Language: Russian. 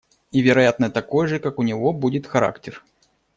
И, вероятно, такой же, как у него, будет характер.